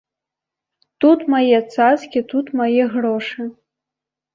Тут мае цацкі, тут мае грошы.